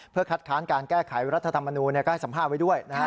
เพื่อคัดค้านการแก้ไขรัฐธรรมนูลก็ให้สัมภาษณ์ไว้ด้วยนะฮะ